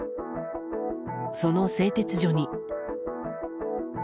その製鉄所に。